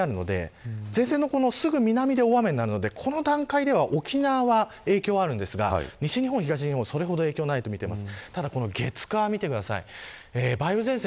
日曜日、前線は南側にあるので前線の南で大雨になるのでこの段階では沖縄は影響はあるんですが西日本、東日本はそれほど影響はないと見ています。